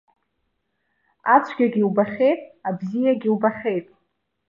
Ацәгьагьы убахьеит, абзиагьы убахьеит.